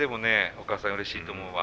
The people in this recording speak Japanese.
お母さんうれしいと思うわ。